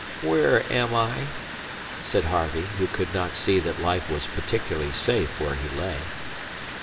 "Where am I?" said Harvey, who could not see that life was particularly safe where he lay.